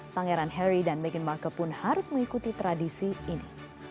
pangeran harry dan meghan markle pun harus mengikuti tradisi ini